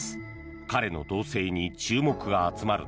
彼の動静に注目が集まる